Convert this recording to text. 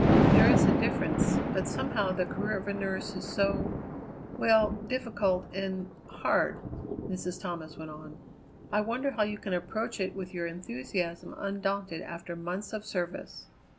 "There is a difference. But somehow the career of a nurse is so well difficult, and hard," Mrs. Thomas went on. "I wonder how you can approach it with your enthusiasm undaunted after months of service."